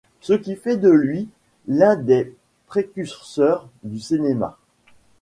Ce qui fait de lui l'un des précurseurs du cinéma.